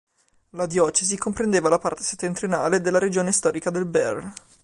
La diocesi comprendeva la parte settentrionale della regione storica del Béarn.